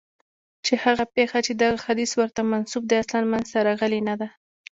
چي هغه پېښه چي دغه حدیث ورته منسوب دی اصلاً منځته راغلې نه ده.